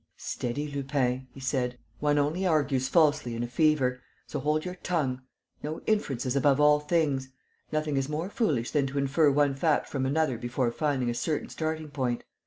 "Steady, Lupin," he said. "One only argues falsely in a fever. So hold your tongue. No inferences, above all things! Nothing is more foolish than to infer one fact from another before finding a certain starting point.